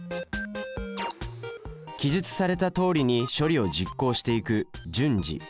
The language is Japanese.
記述されたとおりに処理を実行していく「順次」。